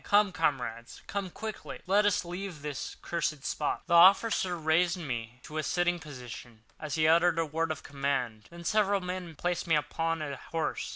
Come, comrades—come quickly! Let us leave this cursed spot." The officer raised me to a sitting posture, as he uttered a word of command; then several men placed me upon a horse.